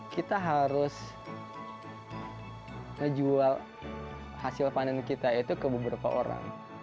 kita harus menjual hasil panen kita itu ke beberapa orang